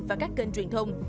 và các kênh truyền thông